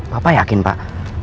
bapak yakin pak